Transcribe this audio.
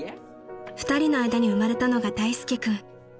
［２人の間に生まれたのが大介君］